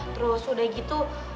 terus udah gitu